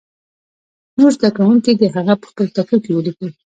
نور زده کوونکي دې هغه په خپلو کتابچو کې ولیکي.